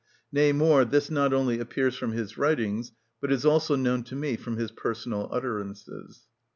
Nay more, this not only appears from his writings, but is also known to me from his personal utterances.